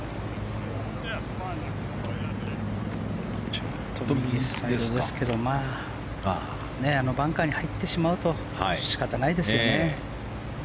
ちょっと右サイドですけどあのバンカーに入ってしまうと仕方ないですよね。